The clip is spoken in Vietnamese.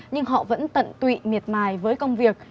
nhưng họ vẫn tận tụy miệt mài với công việc